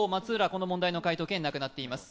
この問題の解答権なくなっています。